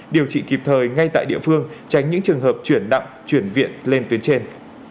điều trị kịp thời ngay tại địa phương tránh những trường hợp chuyển nặng chuyển viện lên tuyến trên